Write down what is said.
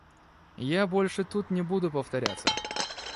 Я больше тут не буду повторяться.